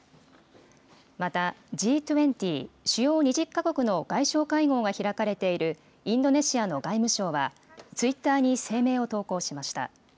また、Ｇ２０・主要２０か国の外相会合が開かれているインドネシアの外務省は、ツイッターに声明を投稿しました。